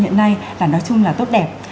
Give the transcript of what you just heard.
hiện nay là nói chung là tốt đẹp